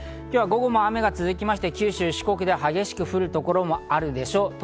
今日は午後も雨が続きまして九州、四国で激しく降る所もあるでしょう。